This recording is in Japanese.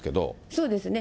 そうですね。